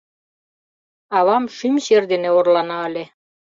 Авам шӱм чер дене орлана ыле.